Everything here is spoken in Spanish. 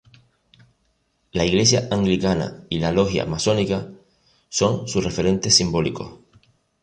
La Iglesia Anglicana y la Logia Masónica son sus referentes simbólicos.